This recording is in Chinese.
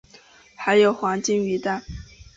还有黄金鱼蛋